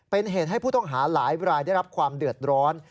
เป็นเหตุให้ผู้ต้องหาหลายรายได้รับความเดือดร้อน